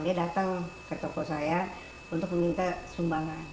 dia datang ke toko saya untuk meminta sumbangan